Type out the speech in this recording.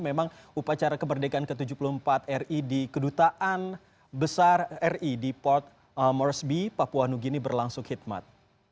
memang upacara kemerdekaan ke tujuh puluh empat ri di kedutaan besar ri di port morsby papua new guinea berlangsung khidmat